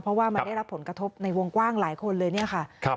เพราะว่ามันได้รับผลกระทบในวงกว้างหลายคนเลยเนี่ยค่ะ